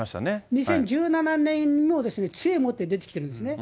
２０１７年もつえ持って出てきてるんですね。